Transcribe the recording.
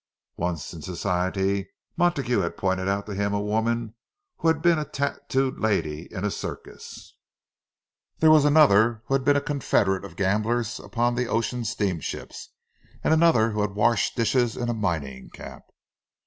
Once, in "Society," Montague had pointed out to him a woman who had been a "tattooed lady" in a circus; there was another who had been a confederate of gamblers upon the ocean steamships, and another who had washed dishes in a mining camp.